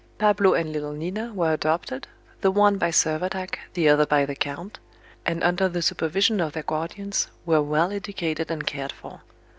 Pablo and little Nina were adopted, the one by Servadac, the other by the count, and under the supervision of their guardians, were well educated and cared for.